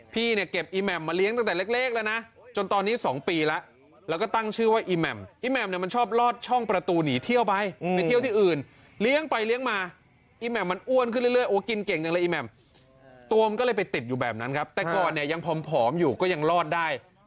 ที่เก็บอีแมมมันมาเลี้ยงมาตั้งแต่เล็กแล้วแหละ